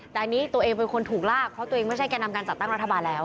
แต่อันนี้ตัวเองเป็นคนถูกลากเพราะตัวเองไม่ใช่แก่นำการจัดตั้งรัฐบาลแล้ว